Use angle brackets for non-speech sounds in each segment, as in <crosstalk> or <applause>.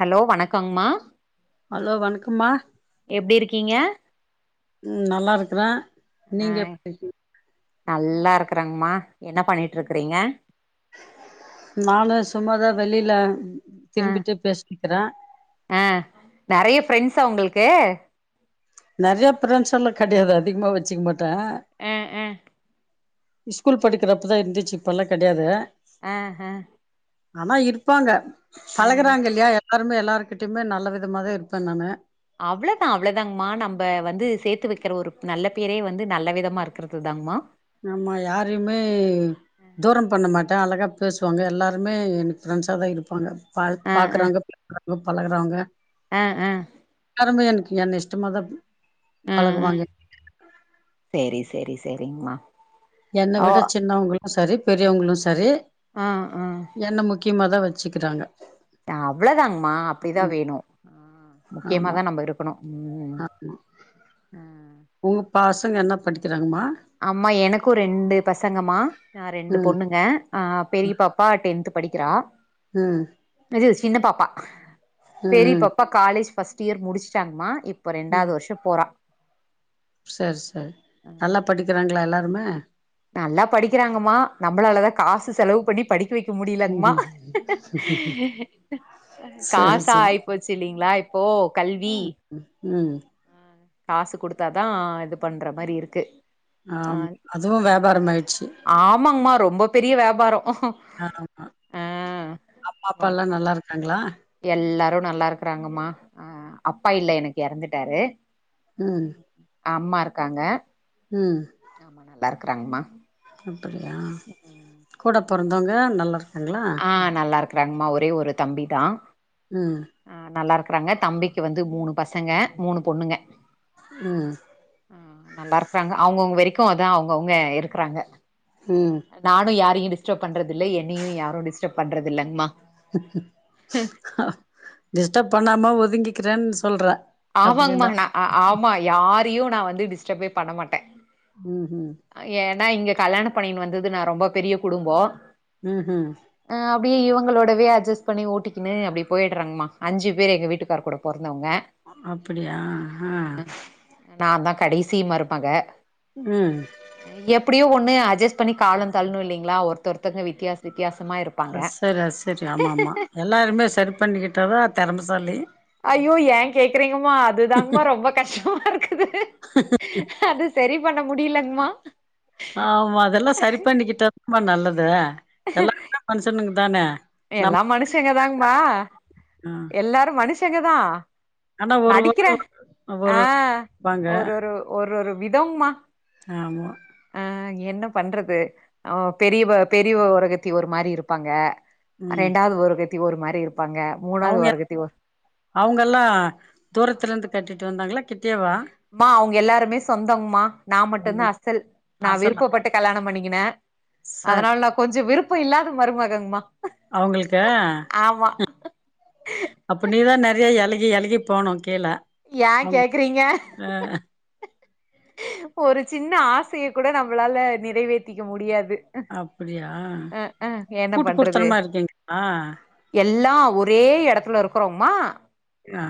hello வணக்கங்மா hello வணக்கம்மா எப்டி இருக்கீங்க உம் நல்லா இருக்கறே ஆ நீங்க எப்டி <inaudible> நல்லா இருக்கறங்கமா என்ன பண்ணிட்டு இருக்கிறீங்க நானு சும்மாதா வெளியில ஆ திரும்பிட்டு பேசிக்கிற ஆ நெறைய ஃப்ரெண்ட்ஸா உங்களுக்கு நெறையா ஃபிரன்ஸ்லா கெடையாது அதிகமா வச்சிக்க மாட்ட அ அ ஸ்கூல் படிக்கிறப்பதா இருந்துச்சி இப்பல்லா கெடையாது அ அ ஆனா இருப்பாங்க ஆ பழகுறாங்க இல்லையா எல்லாருமே எல்லாருகிட்டயுமே நல்ல விதமா தா இருப்ப நானு அவ்வளோதா அவ்வளோதாங்கமா நம்ம வந்து சேர்த்து வைக்கிற ஒரு நல்ல பேரே வந்து நல்ல விதமா இருக்கிறது தாங்கமா ஆமா யாரையுமே தூரம் பண்ண மாட்ட அழகா பேசுவாங்க எல்லாரு எல்லாமே எனக்கு ஆ ஃப்ரெண்ட்ஸா தா இருப்பாங்க பா ஆ பாக்குறாங்க பேசுறாவங்க பழகுறாவங்க அ அ எல்லாருமே எனக்கு என்ன இஷ்டமாத பழகுவாங்க செரி செரி செரிங்கமா என்ன விட சின்னவங்களுக்கும் சரி பெரியவங்களும் சரி ஆ ஆ என்ன முக்கியமாக தான் வச்சுக்கிறாங்க அவ்வளவுதாங்கமா அப்படிதான் ம் வேணும் முக்கியமாதான் நம்ம இருக்கணும் உம் உம் பாசங்க என்ன படிக்கிறாங்கம்மா அம்மா எனக்கும் ரெண்டு பசங்கமா நா ரெண்டு ம் பொண்ணுங்க ஆ பெரிய பாப்பா டென்த் படிக்கிறா அ இது சின்ன பாப்பா ம் பெரிய ம் பாப்பா காலேஜ் பஸ்ட் இயர் முடிச்சிட்டாங்கமா இப்ப ரெண்டாவது வருஷோ போறா சேர் சேர் அ நல்லா படிக்கிறாங்களா எல்லாருமே நல்லா படிக்கிறாங்கம்மா நம்மளாலதான் காசு செலவு பண்ணி படிக்க வைக் க்க முடியலங்கமா ம் சரி காசா சரி ஆயிப்போச்சு இல்லலைங்களா இப் போ கல்வி ம் ம் ஆ, காசு குடுத்தாதான் இது பண்ற மாரி இருக்கு ஆம் அதுவும் வியாபாரம் ஆயிடுச்சு ஆமாங்மா ரொம்ப பெரிய வியாபாரோ ஆமா அம்மா அப்பால்லாம் நல்லா இருக்காங்களா எல்லாரும் நல்லா இருக்குறாங்கம்மா ஆ அப்பா இல்ல எனக்கு இறந்துட்டாரு ம் அம்மா இருக்காங்க ம் அம்மா நல்லா இருக்கறாங்கமா அப்டியா கூட பொறந்தவங்க நல்லாருக்காங்களா ஆ நல்லா இருக்கறாங்கமா ஒரே ஒரு தம்பி தான் ம் அ நல்லா இருக்கறாங்க தம்பிக்கு வந்து மூணு பசங்க மூணு பொண்ணுங்க ம் ம் நல்லா இருக்கறாங்க அவங்கவுங்க வரைக்கும் அதான் அவங்கவுங்க இருக்கிறாங்க ம் நானு யாரையு டிஸ்டர்ப் பண்றதில்ல என்னையு யாரு டிஸ்டர்ப் பண்றது இல்லங்மா டிஸ்டர்ப் பண்ணாம ஒதுங்கிக்கிறன்னு சொல்ற ஆமாங்மா அப்டின்னா ந ஆமா யாரையு நா வந்து டிஸ்டர்பே பண்ண மாட்ட ம் ம் ஏன்னா இங்க கல்யாண பண்ணினு வந்தது நான் ரொம்ப பெரிய குடும்போ ம் ம் அ அப்டியே இவங்களோடவே அட்ஜஸ்ட் பண்ணி ஓட்டிக்கக்குன்னு அப்டி போயிடுறாங்கம்மா அஞ்சு பேர் எங்க வீட்டுக்கார் கூட பொறந்தவங்க அப்டியா ஆ நான் தான் கடைசி மருமக ம் எப்டியோ ஒண்ணு அட்ஜஸ்ட் பண்ணி காலம் தள்ளணும் இல்லைங்களா ஒருத்த ஒருத்தவங்க வித்தியாச வித்தியாசமா இருக் அது சரி அது சரி ஆமா ஆமா எல்லாருமே சரி பண்ணிக்கிட்டா தான் திறமசாலி அய்யோ ஏன் கேக்குறீங்கமா அதுதாங்கமா ரொம்ப கஷ்டமா இருக்குது அது சரி பண்ண முடியலங்மா ஆ ஆமா அதெல்லாம் சரி பண்ணிக்கிட்ட தான்மா நல்லது எல்லாருமே மனுஷனுங்க தானே நம்ம எல்லா மனுஷங்கதாங்மா ஆ எல்லாரும் மனுஷங்க தான் ஆனா ஒரு ஒரு நடிக்கிறேன் ஆ ஒரு வாங்க ஒரு ஒரு ஒரு ஒரு விதங்மா ஆமா அ என்ன பண்றது அ பெரியவ பெரியவ ஓரகத்தி ஒரு மாரி இருப்பாங்க ம் ரெண்டாவது ஓரகத்தி ஒரு மாரி இருப்பாங்க மூணாவது ஓரகத்தி ஒரு அவங்கல்லா தூரத்துல இருந்து கட்டிட்டு வந்தாங்களா கிட்டயேவா ம்மா அவுங்க எல்லாருமே சொந்தங்மா நா மட்டுதா அசல் நா ஆசலா விருப்பப்பட்டு கல்யாண பண்ணிக்கின சரி அதனால நா கொஞ்சோ விருப்போ இல்லாத மருமகங்மா அவங்கள்க்கு ஆமா அப்ப நீ தா நி றைய எழகி எழகி போணு கீழ ஏன் அவங்க கேக்றீங்க அ ஒரு சின்ன ஆசய கூட நம்பளால நிறைவேத்திக்க முடியாது அப்பிடியா அ அ என்ன கூட்டு பண்றது குடுத்தனமா இருக்கீங்ளா எல்லா ஒரே இடத்துல இருக்கறோமா அ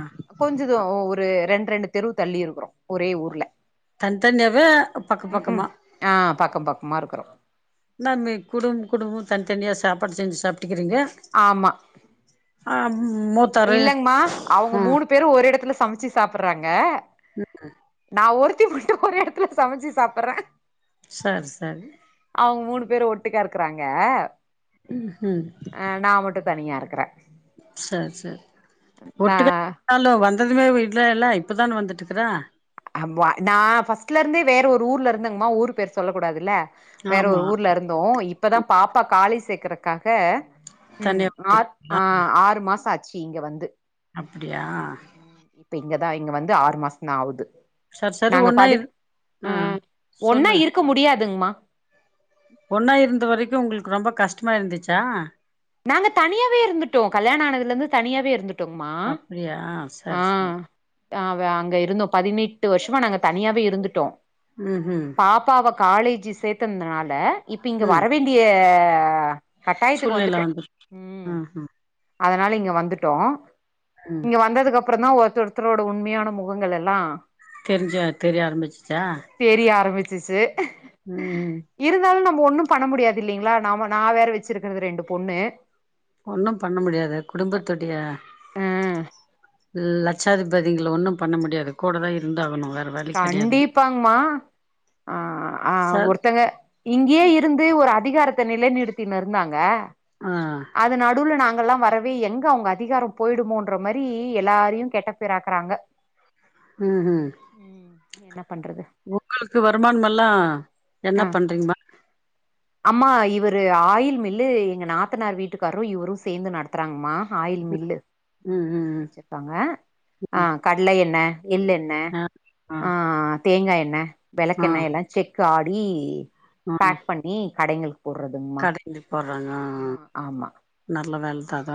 கொஞ்சோ தூ ஒரு ரெண் ரெண்டு தெரு தள்ளி இருக்குறோ ஒரே ஊர்ல தன் தனியாவா பக்க ம் ம் பக்கமா ஆ பக்கம் பக்கமா இருக்குறோ என்னா நீ குடும்ப குடும்பமு தனித்தனியா சாப்பாடு செஞ்சு சாப்ட்டுக்குறீங்ளா ஆமா ஆ மொத் இல்லங்மா அவங்க மூணு பேரும் ஒரு இடத்துல சமைச்சு சாப்புட்றாங்க ம் அ நா ஒருத்தி மட்டு ஒரு இடத்துல சமச்சு சாப்பட்ற சர் சரி அவுங்க மூணு பேரும் ஒட்டுக்கா இருக்கறாங்க ம் ம் அ நா மட்டு தனியா இருக்கற சர் சச் நா ஒட்டுகா வந்தாலு வந்ததுமே வீட்ல இல்ல இப்பதான வந்துட்க்கற ஆமா நா ஃபர்ஸ்ட்ல இருந்தே வேற ஒரு ஊர்ல இருந்தங்மா ஊர் பேரு சொல்ல கூடாதுல்ல வேற ஒரு ஆமா ஊர்ல இருந்தோ இப்பதா பாப்பா காலேஜ் சேக்றக்காக ம் தனியா ஆ ஆ விட்டுங்களா ஆறு மாச ஆச்சு இங்க வந்து அப்டியா ம் ம் இப்ப இங்கதா இங்க வந்து ஆறு மாசோ தா ஆவுது சர் சரி நாங்க ஒன்னா பதி இரு அ சொல்லு க்க முடியாதுங்மா ஒன்னா இருந்த வரைக்கு உங்களுக்கு ரொம்ப கஷ்டமா இருந்துச்சா நாங்க தனியாவே இருந்துட்டோ கல்யாணம் ஆனதுல இருந்து தனியாவே இருந்துட் டோமா அப்டியா ஆ சரி சரி ஆ வ அங்க இருந்தோ பதினெட்டு வருஷமா நாங்க தனியாவே இருந்துட்டோ ம் ம் பாப்பாவ காலேஜி சேத்தனதுனால இப்ப இங்க ம் வரவேண்டிய கட்டாயத்துக்கு சூழ்நில வந்துட்டோ வந்து ம் அதனால இங்க வந்துட்டோ ம் இங்க வந்ததுக்கு அப்பறோ தா ஒருத்தரு ஒருத்தரோட உண்மையான முகங்கள் எல்லா தெரிஞ்ச தெரிய ஆரம்பிச்சிச்சா தெரிய ஆரம்பிச்சிச்சு ம் இருந்தாலு நம்ம ஒண்ணும் பண்ண முடியாது இல்லைங்ளா நாம நா வேற வச்சிருக்கறது ரெண்டு பொண்ணு ஒண்ணும் பண்ண முடியாதே குடும்பத்துடைய ஆ லட்சாதிபதிங்கள ஒண்ணும் பண்ண முடியாது கூடவே இருந்தாகணு வேற வழி கிடையாது அ ஆ ஒருத்தங்க இங்யே இருந்து ஒரு அதிகாரத்த நிலைநிறுத்தினு இருந்தாங்க ஆ அது நடுவுல நாங்கல்லா வரவே எங்க அவங்க அதிகார போயிடுமோன்ற மாரி எல்லாரையு கெட்ட பேராக்குறாங்க ம் ஹும் உம் என்ன பண்றது உங்களுக்கு வருமானம் எல்லா என்ன ஆ பண்றீங்மா அம்மா இவர்ரு ஆயில் மில்லு எங்க நாத்தனார் வீட்டுக்காரு இவரு சேந்து நடத்துறாங்ம்மா ஆயில் மில்லு ஆ ம் ம் வச்சிர்க்காங்க ஆ ம் கட்ல என்ன எள்ளு எண் எண்ண ஆ ஆ தேங்கா எண்ணெ விளக் ஆ கெண்ணெ எல்லா செக்கு ஆடி பேக் பண்ணி கடைங்களுக்கு போடுறதுங்மா கடைகளுக்கு போட்றாங்க அ ம் ஆமா அ நல்ல வேல தா அது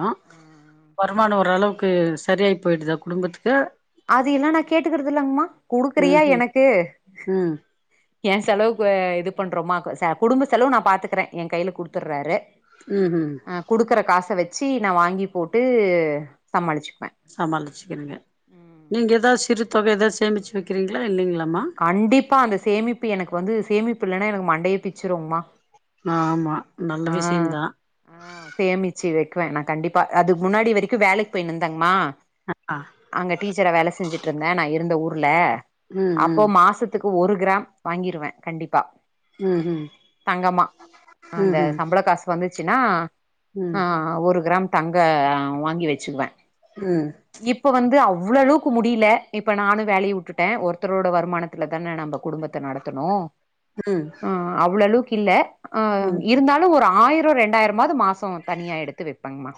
வருமானொ ஓரளவுக்கு சரியாகி போயிட்தா குடும்பத்துக்கு அது எல்லா நா கேட்டுக்கிறது இல்லங்மா ம் குடுக்குறியா ம் எனக்கு ம் ஏ செலவுக்கு இது பண்றோமா குடும்ப செலவு நா பாத்துக்குறே எ கையில குடுத்துட்றாரு ம் ஹும் குடுக்குற காச வச்சு நா வாங்கி போட்டு சமாளிச்சுப்பே சமாளிச்சுக்குறீங்க நீங்க ஏதாது சிறு தொக ஏதா சேமிச்சு வெக்கிறீங்களா இல்லங்ளாமா கண்டிப்பா அந்த சேமிப்பு எனக்கு வந்து சேமிப்பு இல்ல னா எனக்கு மண்டையே பிச்சுருங்ம்மா ஆமா நல்ல விஷயந்தா ஆ சேமிச்சு வெக்குவே நா கண்டிப்பா அதுக்கு முன்னாடி வரைக்கு வேலைக்கு போயிந்தேங்மா அ ஆ அங்க டீச்சரா வேல செஞ்சுட்ருந்த நா இருந்த ஊர்ல ம் அப்போ ம் மாசத்து க்கு ஒரு கிராம் வாங்கிருவே கண்டிப்பா ம் ஹும் தங்கமா அந்த சம்பள காசு வந்துச்சுன்னா ஆ ஒரு கிராம் தங்க வாங்கி வச்சுக்குவே உம் இப்ப வந்து அவ்ள அளவுக்கு முடியல இப்ப நானு வேலய வுட்டுட்ட ஒருத்தரோட வருமானத்துல தா நம்ம குடும்பத் நடத்தணு ம் ஆ அவ்ளோ அளவுக்கில்ல ம் இருந்தாலு ஒரு ஆயிரொ ரெண்டாயிரமாவது மாசோ தனியா எடுத்து வெப்பங்ம்மா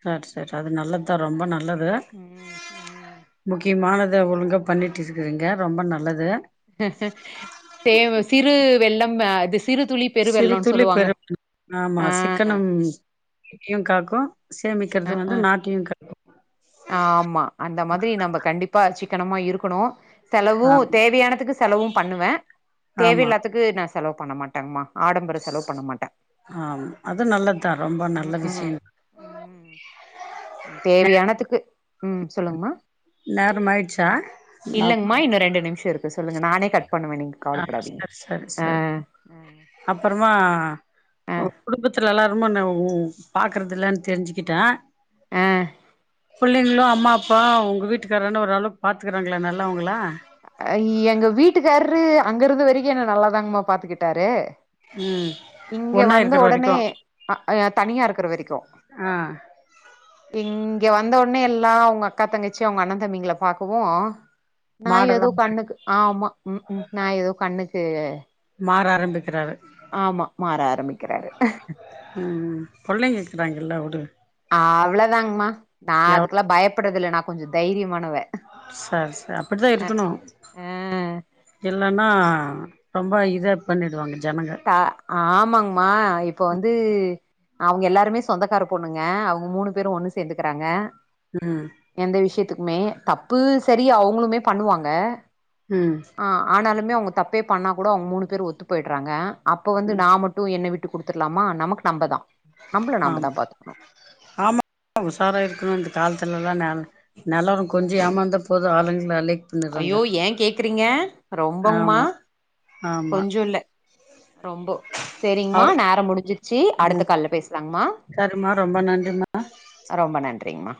சர் சரி அது நல்லத் தா ரொம்ப நல்லது ம் ம் முக்கியமானத ஒழுங்க பண்ணிட்டு இருக்குறீங்க ரொம்ப நல்லது தே சிறு வெள்ளம் அது சிறு துளி பெரு சிறு வெள்ளோன்னு துளி சொல்லுவாங்க பெரு <inaudible> ஆமா ஆ சிக்கனம் வீட்டயும் காக்கு சேமிக்கிறது வந்து ஆ நாட்டையு காக்கு ஆமா அந்த மாரி நம்ம கண்டிப்பா சிக்கனமா இருக்கணு செலவு ஆமா தேவையானதுக்கு செலவு பண்ணுவ ஆமா தேவையில்லாத்துக்கு நா செலவு பண்ண மாட்டங்மா ஆடம்பர செலவு பண்ண மாட்ட ஆமா அது நல்லதுதா ரொம்ப நல்ல உஹும் விஷயம் உம் தேவையானதுக்கு உம் சொல்லுங்கமா நேரம் ஆயிடுச்சா ஆமா இல்லங்மா இன்னு ரெண்டு நிமிஷொ இருக்கு சொல்லுங்க நானே கட் பண்ணுவ நீங்க கவலபடாதிங்க ஆ ஆ அப்பறமா ஆ குடும்பத்துல எல்லாரு <unintelligible> பாக்குறதில்ல தெரிஞ்சுக்கிட்ட ஆ புள்ளைகளு அம்மா அப் ப்பா உங்க வீட்டுக்கார்ரென்ன ஒரு அளவுக்கு பாத்துக்குறாங்ளா நல்லா வங்களா அ எங்க வீட்டுக்கார்ரரு அங்கருந்த வரிக்கும் என்ன நல்லாதாங்மா பாத்துக்கிட்டாரு ம் இங்க ஒன்னா வந்த இருக்கிற வரைக்கு ஒடனே அ அ தனியா இருக்குற வரைக்கு ஆ இங்க வந்த ஒட்னே எல்லா அவுங்க அக்கா தங்கச்சி அவுங்க அண்ணன் தம்பிங்கள பாக்கவு நா மாடலா எதோ கண்ணுக்கு ஆமா ம் ம் நா எதோ கண்ணுக்கு மாற ஆரம்பிக்குறாரு ஆமா மாற ஆரம்பிக்கிறாரு ம் ம் புள்ளைங்க இருக்குறாங்கல்ல உடு அவ்வளதாங்மா நா எவ் அதுக்லா பயப்புட்றதுல்ல நா கொஞ்சோ தைரியமானவ சர் சர் அப்பட்தா அ இருக்குணு ஆ இல்லன்னா ரொம்ப இத பண்ணிடுவாங்க ஜனங்க அ ஆமாங்மா இப்போ வந்து அவுங்க எல்லாருமே சொந்தக்கார பொண்ணுங்க அவுங்க மூணு பேரு ஒண்ணு சேந்துகுறாங்க ம் எந்த விஷ்யத்துக்குமே தப்பு செரி அவ்ங்குளுமே பண்ணுவாங்க ம் ஆ ஆனாலுமே அவங்க தப்பே பண்ணா கூடோ அவுங் மூணு பேரு ஒத்து போயிட்றாங்க அப்போ வந்து ம் நா மட் டு என்ன விட்டு குடுத்துர்லாமா நமக்கு நம்பதா நம்மள நாம தா ஆமா பாத்துக்கணு ஆமா உசாரா இருக்குணு இந்த கால்த்துலல்லா நான் நால்லா கொஞ்சோ ஏமாந்த போது ஆளுங்லாளே ஐயோ ஏ கேக்றீங்க ரொம்பங்மா ஆமா ஆமா கொஞ்ஜோல்ல ரொம்போ செரிங்மா அவ் நேரோ முடிஞ்சிர்ச்சி அடுத்த கால்ல பேஸ்லாங்மா மா ரொம்ப நன்றிமா ரொம்ப நன்றிங்மா